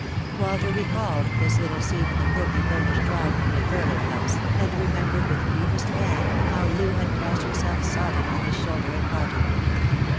Walter recalled this little scene in the primly furnished draw ing room at Thurlow House, and remembered with keenest pang how Loo had cast herself sobbing on his shoulder at parting.